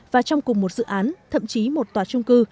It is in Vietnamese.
và trong cùng một dự án thậm chí một tòa trung cư